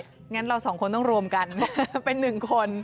งั้นเราสองคนต้องรวมกันเป็นหนึ่งคน